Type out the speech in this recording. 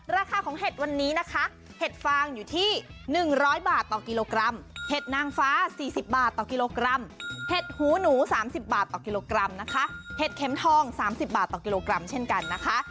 ราคาของเห็ดวันนี้นะคะเห็ดฟางอยู่ที่๑๐๐บาทต่อกิโลกรัมเห็ดนางฟ้า๔๐บาทต่อกิโลกรัมเห็ดหูหนู๓๐บาทต่อกิโลกรัมนะคะเห็ดเข็มทอง๓๐บาทต่อกิโลกรัมเช่นกันนะคะ